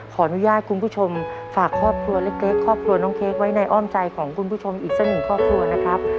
ขออนุญาตคุณผู้ชมฝากครอบครัวเล็กครอบครัวน้องเค้กไว้ในอ้อมใจของคุณผู้ชมอีกสักหนึ่งครอบครัวนะครับ